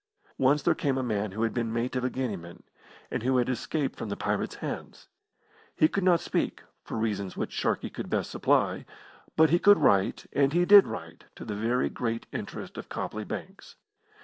Once there came a man who had been mate of a Guineaman, and who had escaped from the pirate's hands. He could not speak for reasons which Sharkey could best supply but he could write, and he did write, to the very great interest of Copley Banks.